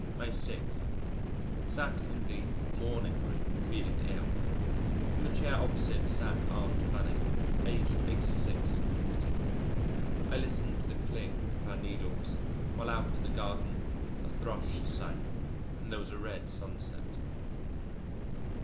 May 6. Sat in the "morning room" feeling ill. In the chair opposite sat Aunt Fanny, aged 86, knitting. I listened to the click of her needles, while out in the garden a thrush sang, and there was a red sunset.